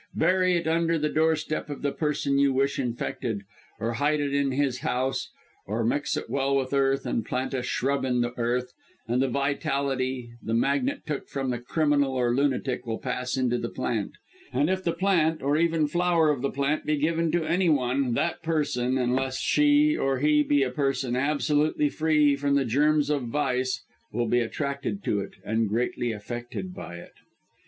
Bury it under the doorstep of the person you wish infected, or hide it in his house, or mix it well with earth, and plant a shrub in the earth, and the vitality the magnet took from the criminal or lunatic will pass into the plant; and if the plant, or even flower of the plant, be given to any one, that person unless she or he be a person absolutely free from the germs of vice will be attracted to it, and greatly affected by it.